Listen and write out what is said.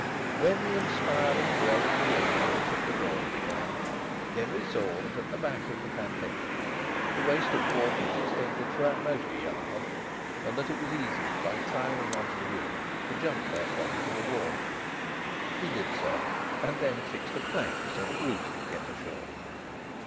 When the inspiring grey preliminaries of the dawn began, Denry saw that at the back of the pantechnicon the waste of waters extended for at most a yard, and that it was easy, by climbing on to the roof, to jump therefrom to the wharf. He did so, and then fixed a plank so that Ruth could get ashore.